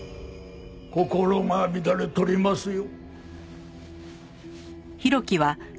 心が乱れとりますよ。